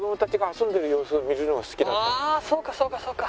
ああそうかそうかそうか。